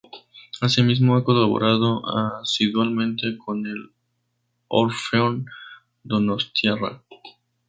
Asimismo ha colaborado asiduamente con el Orfeón Donostiarra.